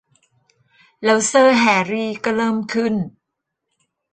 แล้วเซอร์ แฮรี่ ก็เริ่มขึ้น